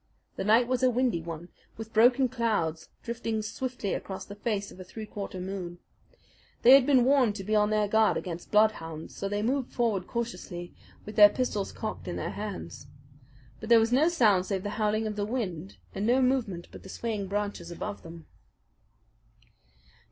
The night was a windy one, with broken clouds drifting swiftly across the face of a three quarter moon. They had been warned to be on their guard against bloodhounds; so they moved forward cautiously, with their pistols cocked in their hands. But there was no sound save the howling of the wind, and no movement but the swaying branches above them.